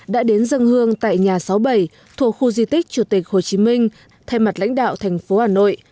đã đến dân hương tại nhà sáu mươi bảy thuộc khu di tích chủ tịch hồ chí minh thay mặt lãnh đạo thành phố hà nội